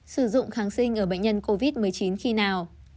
sử dụng kháng sinh ở bệnh nhân covid một mươi chín khi nào